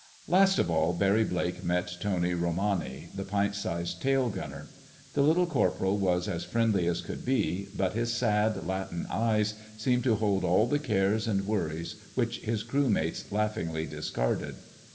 Last of all, Barry Blake met Tony Romani, the pint sized tail gunner. The little corporal was as friendly as could be, but his sad, Latin eyes seemed to hold all the cares and worries which his crew mates laughingly discarded.